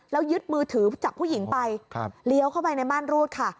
แล้วยึดมือถือจากผู้หญิงไปเลี้ยวเข้าไปในม่านรูดค่ะ